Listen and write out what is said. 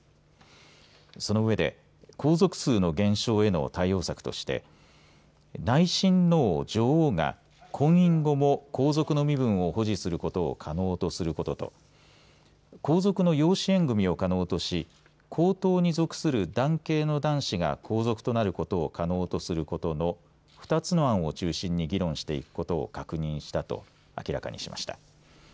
その上で皇族数の減少への対応策として内親王、女王が婚姻後も皇族の身分を保持することを可能とすることと皇族の養子縁組を可能とし皇統に属する男系の男子が皇族となることを可能とすることの２つの案を中心に議論していくことを確認したと明らかにしました。